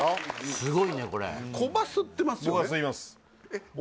すごいねこれコバ吸ってますよね